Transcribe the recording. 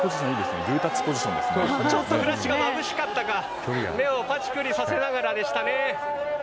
ちょっとフラッシュがまぶしかったか目をぱちくりさせながらでしたね。